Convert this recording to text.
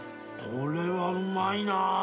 これはうまいなぁ。